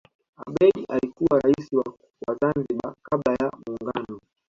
abeid alikuwa rais wa zanzibar kabla ya muungano